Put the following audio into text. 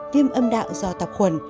viêm âm đạo do tập khuẩn